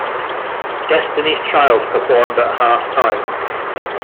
Destiny's Child performed at Halftime.